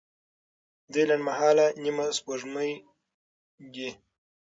دوی لنډمهاله نیمه سپوږمۍ دي.